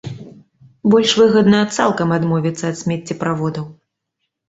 Больш выгадна цалкам адмовіцца ад смеццеправодаў.